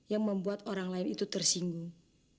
yang membuat orang lain itu tersinggung